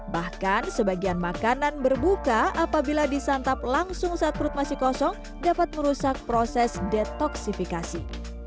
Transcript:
bahkan sebagian makanan berbuka apabila disantap langsung saat perut masih kosong dapat merusak proses detoksifikasi